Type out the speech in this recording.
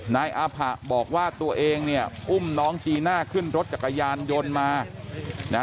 นายอาผะบอกว่าตัวเองเนี่ยอุ้มน้องจีน่าขึ้นรถจักรยานยนต์มานะ